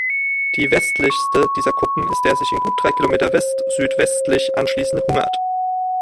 Die westlichste dieser Kuppen ist der sich in gut drei Kilometer westsüdwestlich anschließende "Hungert".